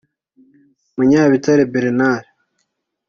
Munyabitare Bernard